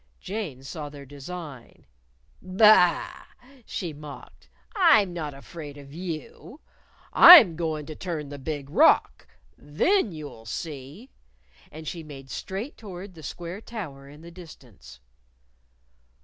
Jane saw their design. "Ba a a!" she mocked. "I'm not afraid of you! I'm goin' to turn the Big Rock. Then you'll see!" And she made straight toward the square tower in the distance.